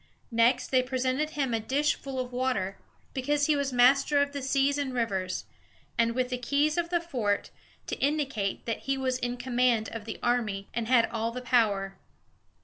Next they presented him with a dish full of water, because he was master of the seas and rivers, and with the keys of the fort, to indicate that he was in command of the army and had all the power.